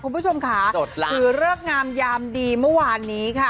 คุณผู้ชมค่ะถือเลิกงามยามดีเมื่อวานนี้ค่ะ